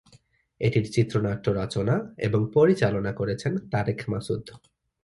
এটির চিত্রনাট্য রচনা এবং পরিচালনা করেছেন তারেক মাসুদ।